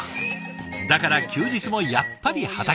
だから休日もやっぱり畑。